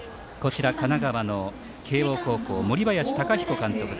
神奈川の慶応高校森林貴彦監督。